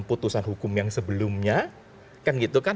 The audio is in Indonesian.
putusan hukum yang sebelumnya